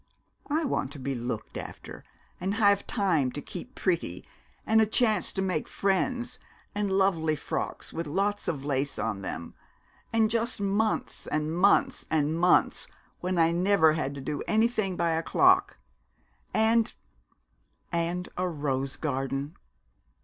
I want to be looked after, and have time to keep pretty, and a chance to make friends, and lovely frocks with lots of lace on them, and just months and months and months when I never had to do anything by a clock and and a rose garden!"